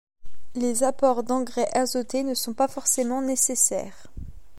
Les apports d'engrais azoté ne sont pas forcément nécessaires.